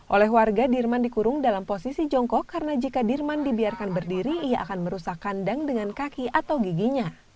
oleh warga dirman dikurung dalam posisi jongkok karena jika dirman dibiarkan berdiri ia akan merusak kandang dengan kaki atau giginya